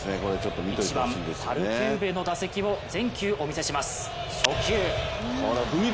１番・アルトゥーベの打席を全球お見せします。